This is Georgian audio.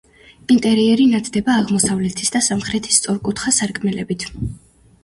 ინტერიერი ნათდება აღმოსავლეთის და სამხრეთის სწორკუთხა სარკმლებით.